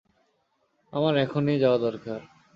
আমার এখনই যাওয়া দরকার।